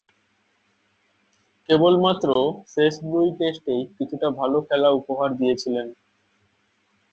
কেবলমাত্র শেষ দুই টেস্টেই কিছুটা ভালো খেলা উপহার দিয়েছিলেন।